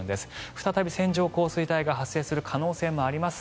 再び線状降水帯が発生する可能性もあります。